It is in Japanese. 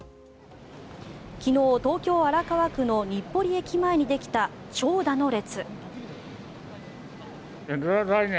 昨日、東京・荒川区の日暮里駅前にできた長蛇の列。